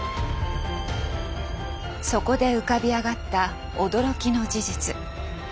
そこで浮かび上がった驚きの事実。